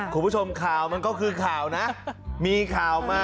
กรอปปี้เมียเหมือนเมียเกินไป